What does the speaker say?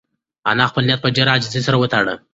انا خپل نیت په ډېرې عاجزۍ سره وتاړه.